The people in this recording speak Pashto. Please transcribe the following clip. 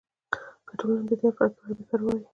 که ټولنه د دې افرادو په اړه بې پروا وي.